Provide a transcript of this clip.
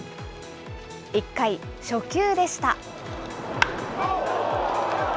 １回、初球でした。